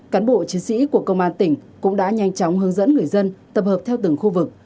cán bộ chiến sĩ của công an tỉnh cũng đã nhanh chóng hướng dẫn người dân tập hợp theo từng khu vực